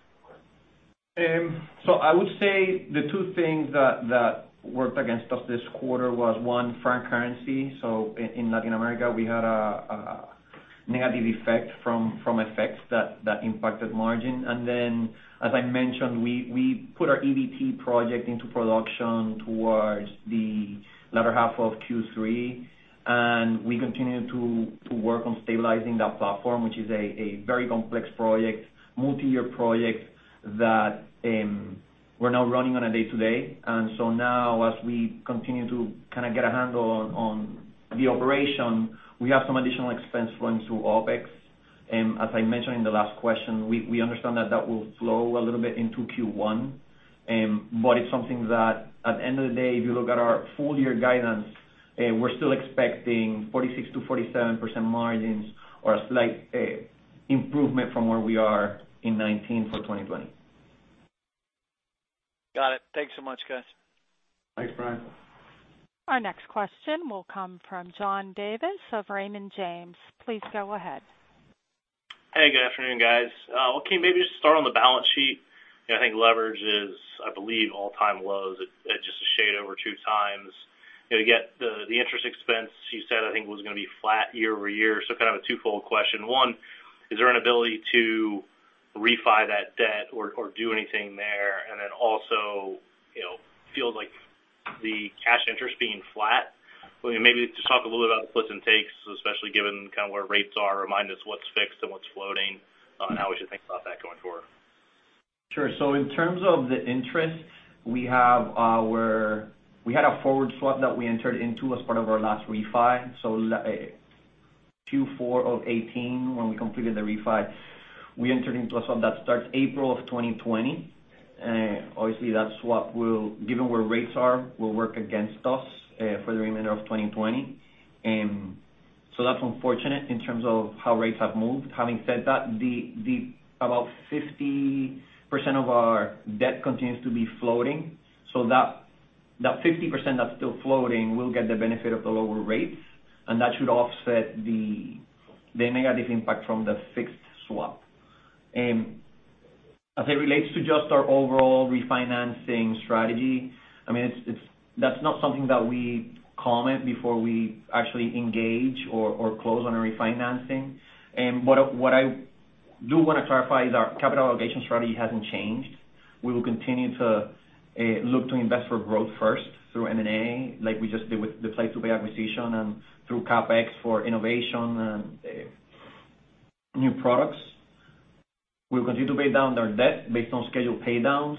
I would say the two things that worked against us this quarter was, one, foreign currency. In Latin America, we had a negative effect from FX that impacted margin. Then, as I mentioned, we put our EBT project into production towards the latter half of Q3, and we continue to work on stabilizing that platform, which is a very complex project, multi-year project that we are now running on a day-to-day. As we continue to kind of get a handle on the operation, we have some additional expense going through OpEx. As I mentioned in the last question, we understand that that will flow a little bit into Q1. It is something that at the end of the day, if you look at our full-year guidance, we are still expecting 46%-47% margins or a slight improvement from where we are in 2019 for 2020. Got it. Thanks so much, guys. Thanks, Bryan. Our next question will come from John Davis of Raymond James. Please go ahead. Hey, good afternoon, guys. Joaquín, maybe just start on the balance sheet. I think leverage is, I believe all-time lows at just a shade over 2x. The interest expense you said, I think was going to be flat year-over-year. Kind of a twofold question. One, is there an ability to refi that debt or do anything there? Also, feels like the cash interest being flat. Maybe just talk a little bit about the puts and takes, especially given kind of where rates are. Remind us what's fixed and what's floating and how we should think about that going forward. Sure. In terms of the interest, we had a forward swap that we entered into as part of our last refi. Q4 of 2018, when we completed the refi, we entered into a swap that starts April of 2020. Obviously, that swap will, given where rates are, will work against us for the remainder of 2020. That's unfortunate in terms of how rates have moved. Having said that, about 50% of our debt continues to be floating. That 50% that's still floating will get the benefit of the lower rates, and that should offset the negative impact from the fixed swap. As it relates to just our overall refinancing strategy, that's not something that we comment before we actually engage or close on a refinancing. What I do want to clarify is our capital allocation strategy hasn't changed. We will continue to look to invest for growth first through M&A, like we just did with the PlacetoPay acquisition and through CapEx for innovation and new products. We'll continue to pay down their debt based on scheduled pay downs.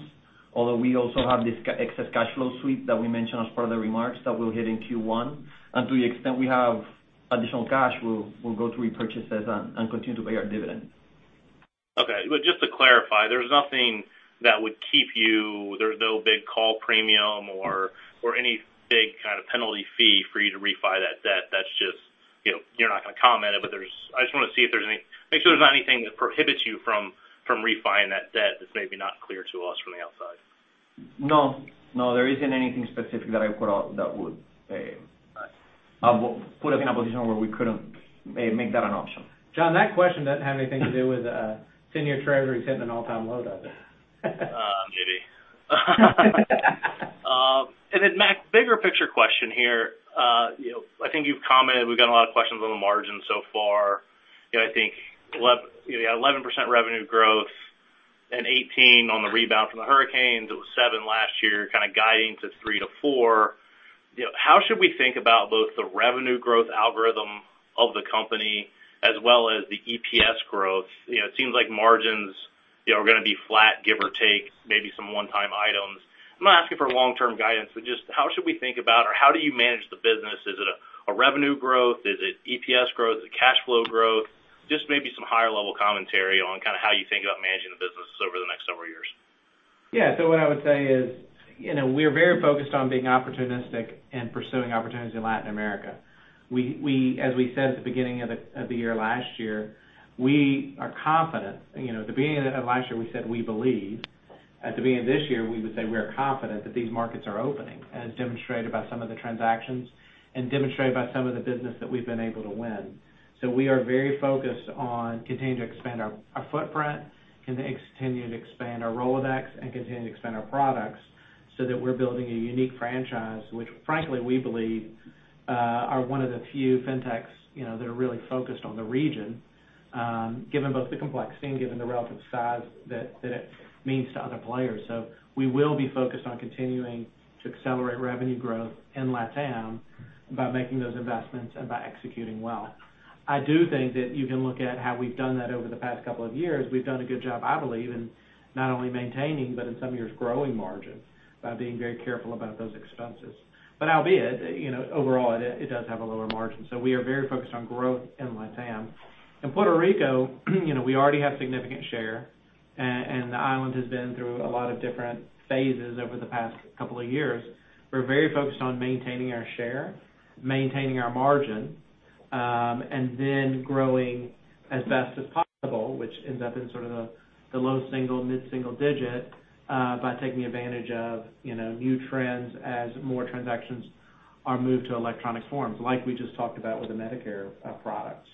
We also have this excess cash flow sweep that we mentioned as part of the remarks that we'll hit in Q1. To the extent we have additional cash, we'll go to repurchase those and continue to pay our dividend. Okay. Just to clarify, there's no big call premium or any big kind of penalty fee for you to refi that debt. You're not going to comment, I just want to make sure there's not anything that prohibits you from refi-ing that debt that's maybe not clear to us from the outside. No. There isn't anything specific that I put out that would put us in a position where we couldn't make that an option. John, that question doesn't have anything to do with senior treasury hitting an all-time low, does it? Maybe. Mac, bigger picture question here. I think you've commented, we've gotten a lot of questions on the margin so far. I think you had 11% revenue growth in 2018 on the rebound from the hurricanes. It was 7% last year, kind of guiding to 3%-4%. How should we think about both the revenue growth algorithm of the company as well as the EPS growth? It seems like margins are going to be flat, give or take, maybe some one-time items. I'm not asking for long-term guidance, but just how should we think about or how do you manage the business? Is it a revenue growth? Is it EPS growth? Is it cash flow growth? Just maybe some higher-level commentary on kind of how you think about managing the business over the next several years. What I would say is, we're very focused on being opportunistic and pursuing opportunities in Latin America. As we said at the beginning of the year last year, we are confident. At the beginning of last year, we said we believe. At the beginning of this year, we would say we are confident that these markets are opening, as demonstrated by some of the transactions and demonstrated by some of the business that we've been able to win. We are very focused on continuing to expand our footprint, continue to expand our Rolodex, and continue to expand our products so that we're building a unique franchise. Frankly, we believe are one of the few fintechs that are really focused on the region, given both the complexity and given the relative size that it means to other players. We will be focused on continuing to accelerate revenue growth in LatAm by making those investments and by executing well. I do think that you can look at how we've done that over the past couple of years. We've done a good job, I believe, in not only maintaining, but in some years, growing margin by being very careful about those expenses. Albeit, overall it does have a lower margin. We are very focused on growth in LatAm. In Puerto Rico, we already have significant share, and the island has been through a lot of different phases over the past couple of years. We're very focused on maintaining our share, maintaining our margin, then growing as best as possible, which ends up in sort of the low single, mid-single digit, by taking advantage of new trends as more transactions are moved to electronic forms, like we just talked about with the Medicare product.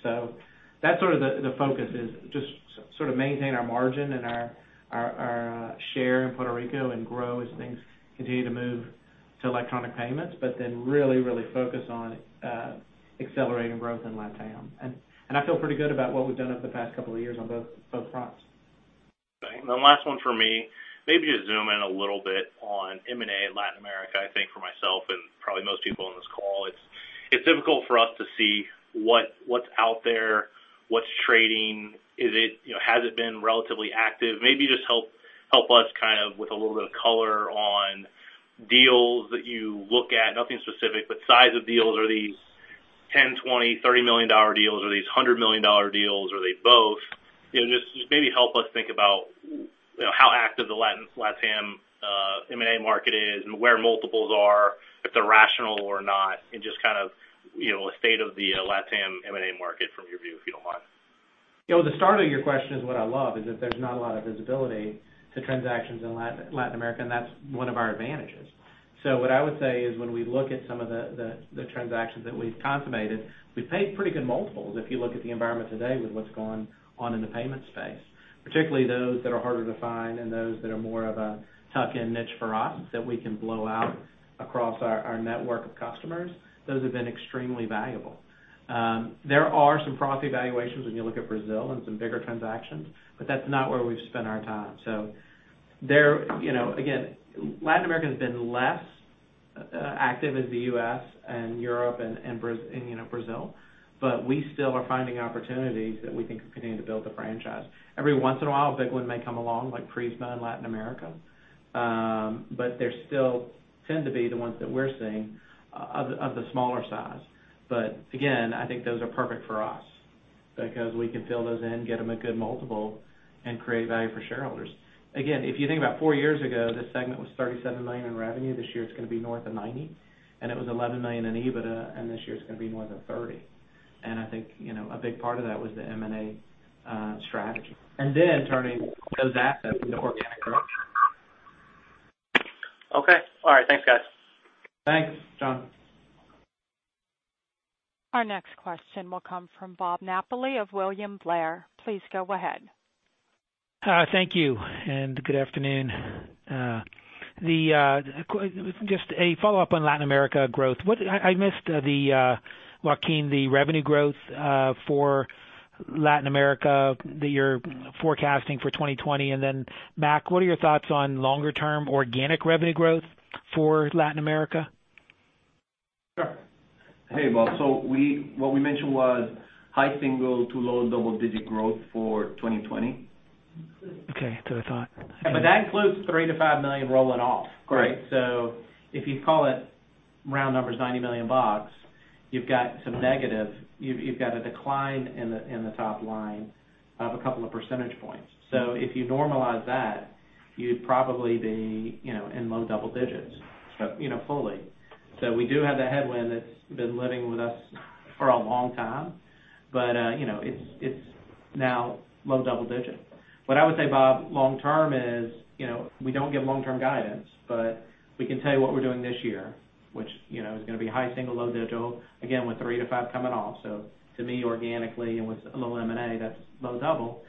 That's sort of the focus is just sort of maintain our margin and our share in Puerto Rico grow as things continue to move to electronic payments, then really, really focus on accelerating growth in LatAm. I feel pretty good about what we've done over the past couple of years on both fronts. Okay, the last one for me. Maybe just zoom in a little bit on M&A Latin America. I think for myself and probably most people on this call, it's difficult for us to see what's out there, what's trading. Has it been relatively active? Maybe just help us kind of with a little bit of color on deals that you look at. Nothing specific, but size of deals. Are these $10, $20, $30 million deals? Are these $100 million deals, or are they both? Just maybe help us think about how active the LatAm M&A market is and where multiples are, if they're rational or not. Just kind of a state of the LatAm M&A market from your view, if you don't mind. The start of your question is what I love is that there's not a lot of visibility to transactions in Latin America, and that's one of our advantages. What I would say is, when we look at some of the transactions that we've consummated, we've paid pretty good multiples, if you look at the environment today with what's going on in the payment space. Particularly those that are harder to find and those that are more of a tuck-in niche for us that we can blow out across our network of customers. Those have been extremely valuable. There are some frothy valuations when you look at Brazil and some bigger transactions, but that's not where we've spent our time. Again, Latin America has been less active as the U.S. and Europe and Brazil. We still are finding opportunities that we think continue to build the franchise. Every once in a while, a big one may come along, like Prisma in Latin America. There still tend to be the ones that we're seeing of the smaller size. Again, I think those are perfect for us because we can fill those in, get them a good multiple, and create value for shareholders. Again, if you think about four years ago, this segment was $37 million in revenue. This year it's going to be north of $90. It was $11 million in EBITDA, and this year it's going to be more than $30. I think a big part of that was the M&A strategy. Then turning those assets into organic growth. Okay. All right. Thanks, guys. Thanks, John. Our next question will come from Bob Napoli of William Blair. Please go ahead. Thank you, and good afternoon. Just a follow-up on Latin America growth. I missed, Joaquín, the revenue growth for Latin America that you're forecasting for 2020. Then Mac, what are your thoughts on longer-term organic revenue growth for Latin America? Sure. Hey, Bob. What we mentioned was high single to low double-digit growth for 2020. Okay. That's what I thought. That includes $3 million-$5 million rolling off. Great. If you call it round numbers, $90 million, you've got some negative. You've got a decline in the top line of a couple of percentage points. If you normalize that, you'd probably be in low double digits fully. We do have that headwind that's been living with us for a long time. It's now low double digits. What I would say, Bob, long term is we don't give long-term guidance, but we can tell you what we're doing this year, which is going to be high single, low digit. Again, with three to five coming off. To me, organically and with a little M&A, that's low double.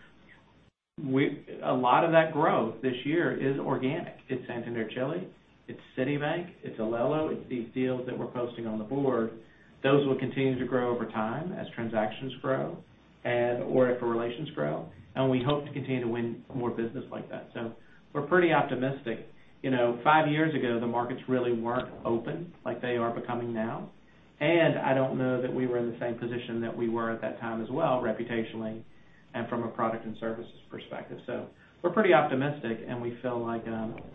A lot of that growth this year is organic. It's Santander Chile, it's Citibank, it's Alelo. It's these deals that we're posting on the board. Those will continue to grow over time as transactions grow or if the relations grow. We hope to continue to win more business like that. We're pretty optimistic. Five years ago, the markets really weren't open like they are becoming now. I don't know that we were in the same position that we were at that time as well, reputationally and from a product and services perspective. We're pretty optimistic, and we feel like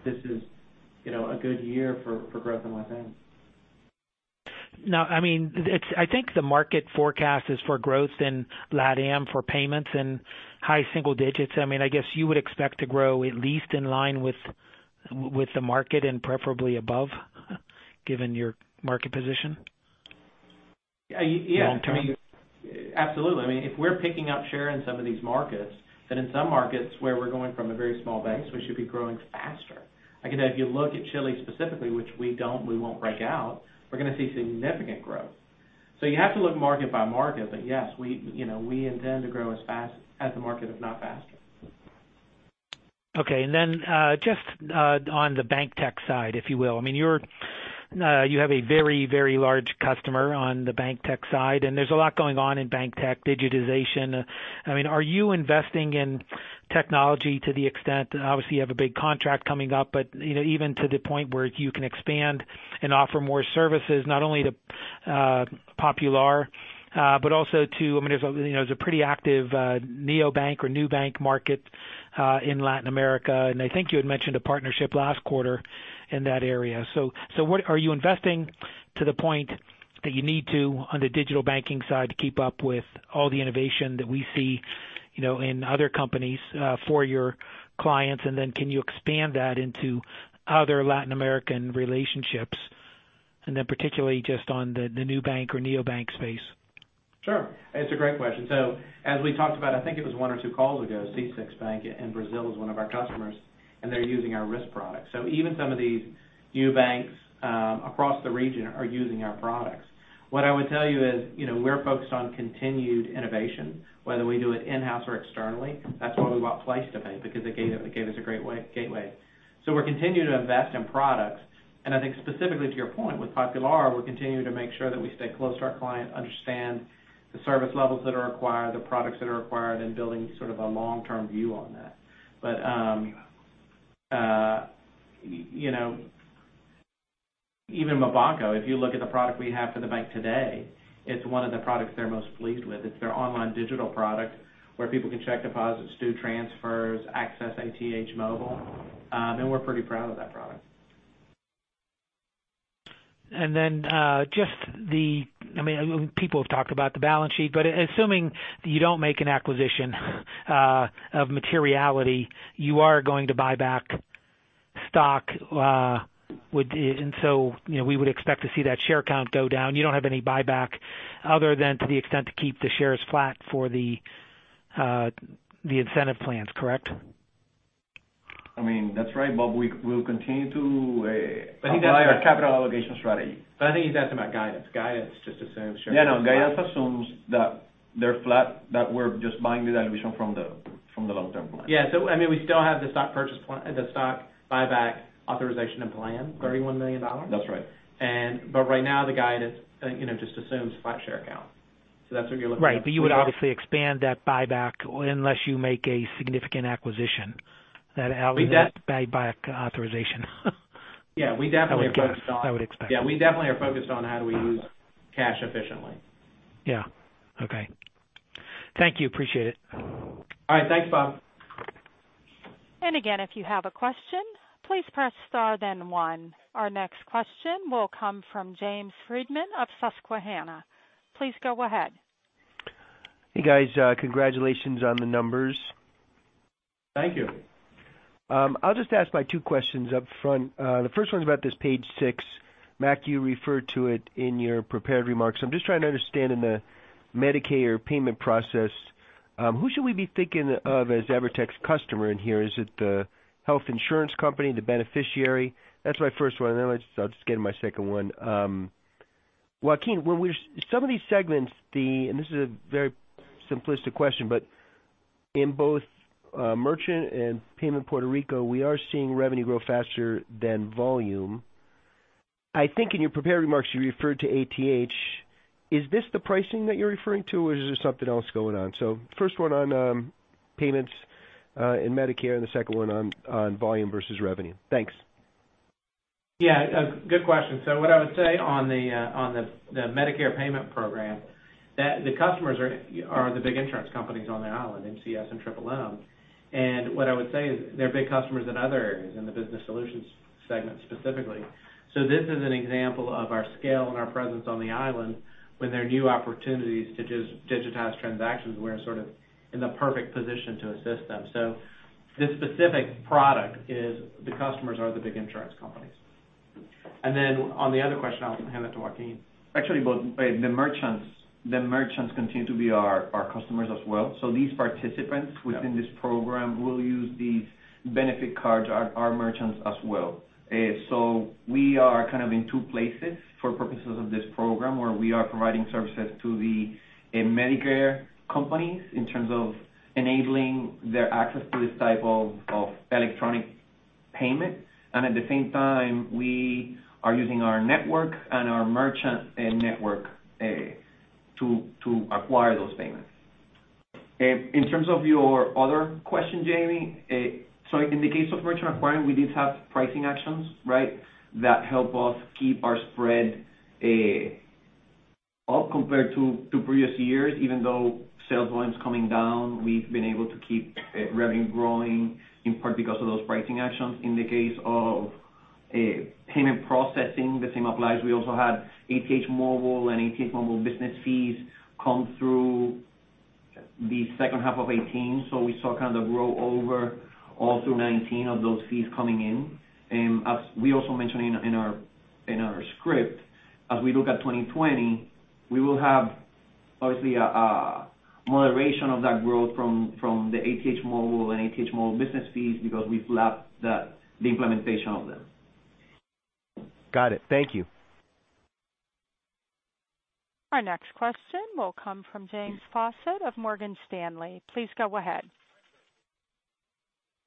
this is a good year for growth in LatAm. I think the market forecast is for growth in LatAm for payments in high single digits. I guess you would expect to grow at least in line with the market and preferably above, given your market position long term. Absolutely. If we're picking up share in some of these markets, then in some markets where we're going from a very small base, we should be growing faster. If you look at Chile specifically, which we won't break out, we're going to see significant growth. You have to look market by market. Yes, we intend to grow as fast as the market, if not faster. Okay. Just on the bank tech side, if you will. You have a very large customer on the bank tech side, and there's a lot going on in bank tech digitization. Are you investing in technology to the extent, obviously you have a big contract coming up, but even to the point where you can expand and offer more services not only to Popular, but also to, there's a pretty active neobank or new bank market in Latin America. I think you had mentioned a partnership last quarter in that area. Are you investing to the point that you need to on the digital banking side to keep up with all the innovation that we see in other companies for your clients? Can you expand that into other Latin American relationships? Particularly just on the new bank or neobank space? Sure. It's a great question. As we talked about, I think it was one or two calls ago, C6 Bank in Brazil is one of our customers, and they're using our risk product. Even some of these new banks across the region are using our products. What I would tell you is, we're focused on continued innovation, whether we do it in-house or externally. That's why we bought PlacetoPay because it gave us a great gateway. We're continuing to invest in products. I think specifically to your point with Popular, we're continuing to make sure that we stay close to our client, understand the service levels that are required, the products that are required, and building sort of a long-term view on that. Even Mi Banco, if you look at the product we have for the bank today, it's one of the products they're most pleased with. It's their online digital product where people can check deposits, do transfers, access ATH Móvil. We're pretty proud of that product. People have talked about the balance sheet, but assuming that you don't make an acquisition of materiality, you are going to buy back stock. We would expect to see that share count go down. You don't have any buyback other than to the extent to keep the shares flat for the incentive plans, correct? That's right, Bob. We'll continue to apply our capital allocation strategy. I think he's asking about guidance. Guidance just assumes- Yeah, no, guidance assumes that they're flat, that we're just buying the dilution from the long-term plan. Yeah. We still have the stock buyback authorization and plan, $31 million. That's right. Right now the guidance just assumes flat share count. That's what you're looking at. Right. You would obviously expand that buyback unless you make a significant acquisition with that buyback authorization. I would expect. Yeah, we definitely are focused on how do we use cash efficiently. Yeah. Okay. Thank you. Appreciate it. All right. Thanks, Bob. Again, if you have a question, please press star then one. Our next question will come from James Friedman of Susquehanna. Please go ahead. Hey, guys. Congratulations on the numbers. Thank you. I'll just ask my two questions up front. The first one's about this page six. Mac, you referred to it in your prepared remarks. I'm just trying to understand in the Medicare payment process, who should we be thinking of as EVERTEC's customer in here? Is it the health insurance company, the beneficiary? That's my first one, and then I'll just get to my second one. Joaquín, some of these segments, and this is a very simplistic question, but in both merchant and payment Puerto Rico, we are seeing revenue grow faster than volume. I think in your prepared remarks you referred to ATH. Is this the pricing that you're referring to or is there something else going on? First one on payments in Medicare and the second one on volume versus revenue. Thanks. What I would say on the Medicare payment program, that the customers are the big insurance companies on the island, MCS and Triple-S. What I would say is they're big customers in other areas in the Business Solutions segment specifically. This is an example of our scale and our presence on the island when there are new opportunities to digitize transactions, we're sort of in the perfect position to assist them. This specific product is the customers are the big insurance companies. On the other question, I'll hand that to Joaquín. Actually, the merchants continue to be our customers as well. These participants within this program will use these benefit cards are our merchants as well. We are kind of in two places for purposes of this program where we are providing services to the Medicare companies in terms of enabling their access to this type of electronic payment. At the same time, we are using our network and our merchant network to acquire those payments. In terms of your other question, Jamie, so in the case of Merchant Acquiring, we did have pricing actions, right? That help us keep our spread up compared to previous years. Even though sales volume is coming down, we've been able to keep revenue growing, in part because of those pricing actions. In the case of payment processing, the same applies. We also had ATH Móvil and ATH Móvil Business fees come through the second half of 2018. We saw kind of the roll-over all through 2019 of those fees coming in. As we also mentioned in our script, as we look at 2020, we will have obviously a moderation of that growth from the ATH Móvil and ATH Móvil Business fees because we lapped the implementation of them. Got it. Thank you. Our next question will come from James Faucette of Morgan Stanley. Please go ahead.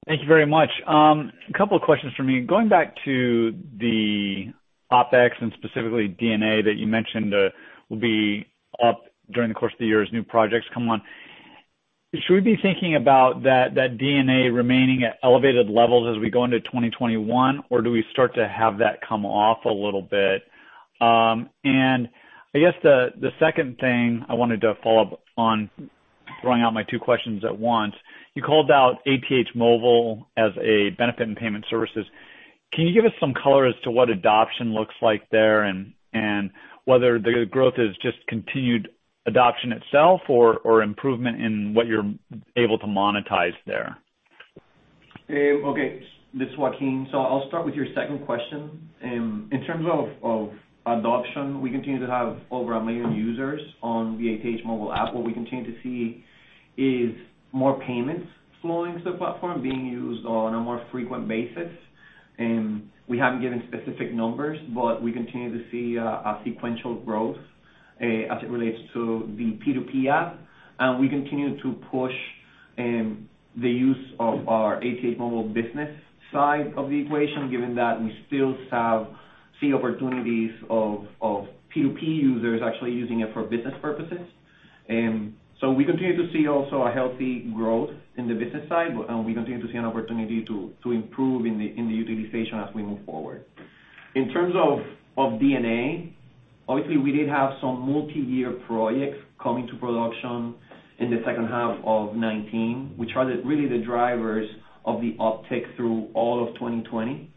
Thank you very much. A couple of questions from me. Going back to the OpEx and specifically D&A that you mentioned will be up during the course of the year as new projects come on. Should we be thinking about that D&A remaining at elevated levels as we go into 2021, or do we start to have that come off a little bit? I guess the second thing I wanted to follow up on, throwing out my two questions at once, you called out ATH Móvil as a benefit and Payment Services. Can you give us some color as to what adoption looks like there and whether the growth is just continued adoption itself or improvement in what you're able to monetize there? Okay. This is Joaquín. I'll start with your second question. In terms of adoption, we continue to have over 1 million users on the ATH Móvil app. What we continue to see is more payments flowing to the platform being used on a more frequent basis. We haven't given specific numbers, but we continue to see a sequential growth as it relates to the P2P app. We continue to push the use of our ATH Móvil Business side of the equation, given that we still see opportunities of P2P users actually using it for business purposes. We continue to see also a healthy growth in the business side, and we continue to see an opportunity to improve in the utilization as we move forward. In terms of D&A, obviously, we did have some multi-year projects coming to production in the second half of 2019, which are really the drivers of the uptick through all of 2020.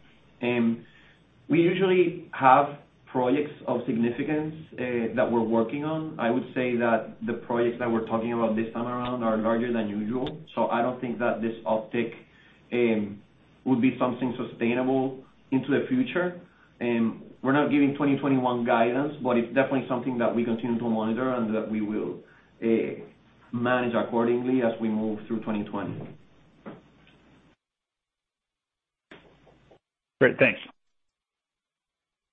We usually have projects of significance that we're working on. I would say that the projects that we're talking about this time around are larger than usual. I don't think that this uptick would be something sustainable into the future. We're not giving 2021 guidance, but it's definitely something that we continue to monitor and that we will manage accordingly as we move through 2020. Great. Thanks.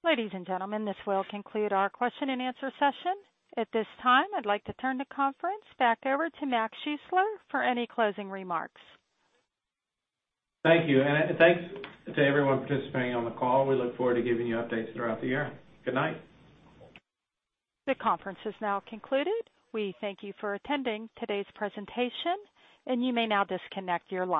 Ladies and gentlemen, this will conclude our question and answer session. At this time, I'd like to turn the conference back over to Mac Schuessler for any closing remarks. Thank you. Thanks to everyone participating on the call. We look forward to giving you updates throughout the year. Good night. The conference has now concluded. We thank you for attending today's presentation, and you may now disconnect your line.